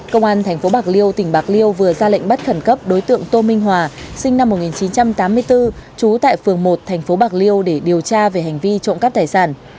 công an tp bạc liêu tỉnh bạc liêu vừa ra lệnh bắt khẩn cấp đối tượng tô minh hòa sinh năm một nghìn chín trăm tám mươi bốn chú tại phường một tp bạc liêu để điều tra về hành vi trụng cấp tài sản